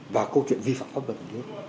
và câu chuyện vi phạm có vấn đề